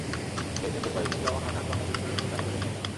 বিএসএফের কয়েকজন জওয়ান হঠাৎ বাংলাদেশের ভেতরে ঢুকে তাঁকে ধরে নিয়ে যান।